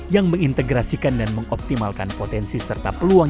yang mengintegrasikan dan mengoptimalkan potensi serta peluang